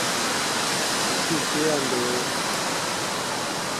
不是接案的喔